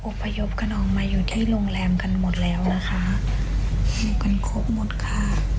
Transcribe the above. พยพคนองมาอยู่ที่โรงแรมกันหมดแล้วนะคะอยู่กันครบหมดค่ะ